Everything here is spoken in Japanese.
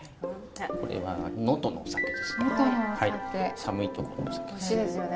これは能登のお酒ですね。